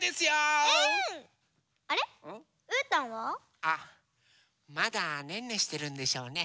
あっまだねんねしてるんでしょうね。